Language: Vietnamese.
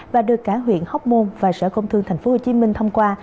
và được cả huyện hóc môn và sở công thương tp hcm thông qua